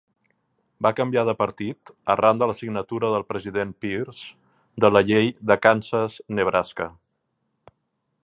Va canviar de partit arran de la signatura del president Pierce de la Llei de Kansas-Nebraska.